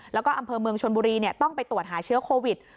แล้วก็อำเภอเมืองชนบุรีต้องไปตรวจหาเชื้อโควิด